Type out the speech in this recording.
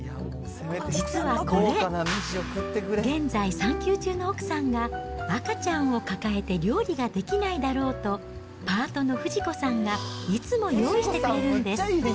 実はこれ、現在、産休中の奥さんが、赤ちゃんを抱えて料理ができないだろうと、パートの富士子さんがいつも用意してくれるんです。